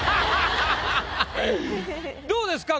どうですか？